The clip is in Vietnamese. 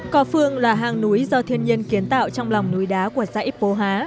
co phương là hang núi do thiên nhiên kiến tạo trong lòng núi đá của dãy pô há